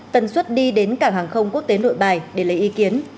tần suất đi đến cảng hàng không quốc tế nội bài để lấy ý kiến